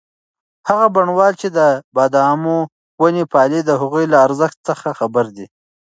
هغه بڼوال چې د بادامو ونې پالي د هغوی له ارزښت څخه خبر دی.